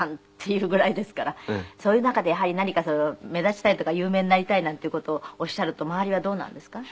そういう中でやはり何か目立ちたいとか有名になりたいなんていう事をおっしゃると周りはどうなんですか？